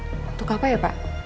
untuk apa ya pak